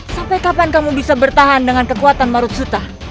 sampai kapan kamu bisa bertahan dengan kekuatan marut suta